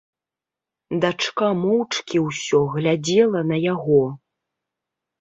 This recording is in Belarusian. Дачка моўчкі ўсё глядзела на яго.